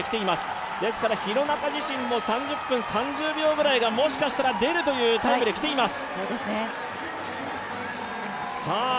ですから廣中自身も３０分３０秒ぐらいがもしかしたら出るというタイムで今来ています。